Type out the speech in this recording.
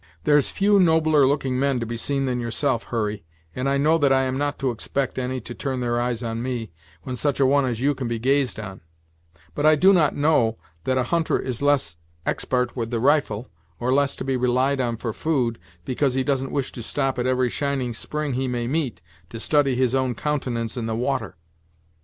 There's few nobler looking men to be seen than yourself, Hurry; and I know that I am not to expect any to turn their eyes on me, when such a one as you can be gazed on; but I do not know that a hunter is less expart with the rifle, or less to be relied on for food, because he doesn't wish to stop at every shining spring he may meet, to study his own countenance in the water."